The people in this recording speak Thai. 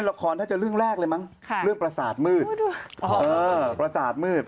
ราคอนเรื่องแรกเลยประสาทมืด